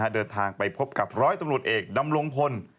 เดินทางไปพบกับร้อยตำรวจเอกดำรงพล